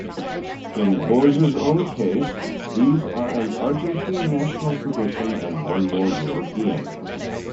In Borges's own case, these are an Argentine national tradition and one more European.